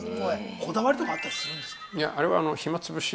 こだわりとかあったりするんです